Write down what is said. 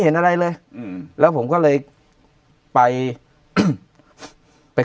เห็นเลยด้วยครับ